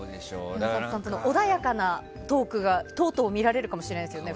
穏やかなトークがとうとう見られるかもしれないですね。